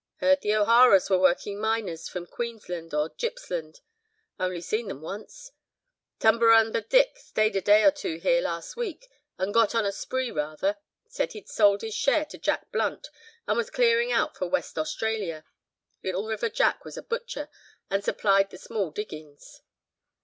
Heard the O'Haras were working miners from Queensland or Gippsland—only seen them once. Tumberumba Dick stayed a day or two here last week, and got on the spree rather. Said he'd sold his share to Jack Blunt, and was clearing out for West Australia. Little River Jack was a butcher, and supplied the small diggings."